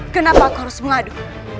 kenapa aku harus mengadu